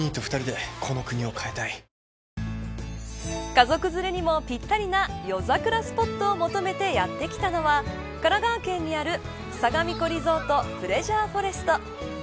家族連れにもぴったりな夜桜スポットを求めてやってきたのは神奈川県にあるさがみ湖リゾートプレジャーフォレスト。